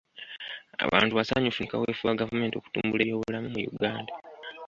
Abantu basanyufu ne kaweefube wa gavumenti okutumbula ebyobulamu mu Uganda